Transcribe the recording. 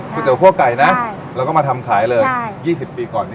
ก๋วยเตี๋ยวคั่วไก่นะใช่แล้วก็มาทำขายเลยใช่ยี่สิบปีก่อนที่